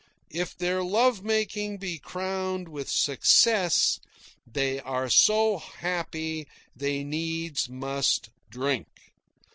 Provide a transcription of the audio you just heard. If their love making be crowned with success, they are so happy they needs must drink.